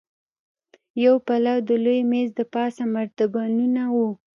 يو پلو د لوی مېز دپاسه مرتبانونه وو.